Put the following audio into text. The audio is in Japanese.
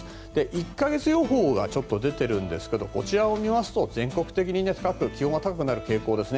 １か月予報が出ているんですけどこちらを見ると全国的に気温が高くなる傾向です。